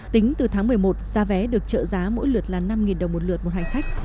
tính từ tháng một mươi một giá vé được trợ giá mỗi lượt là năm đồng một lượt một hành khách